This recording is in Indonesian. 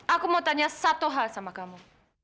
aku mau tanya satu hal sama kamu